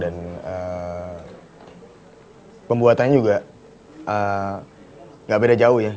dan pembuatannya juga nggak beda jauh ya